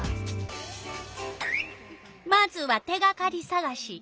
まずは手がかりさがし。